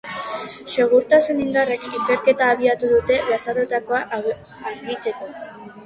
Segurtasun-indarrek ikerketa abiatu dute gertatutakoa argitzeko.